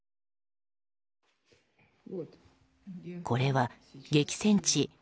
これは激戦地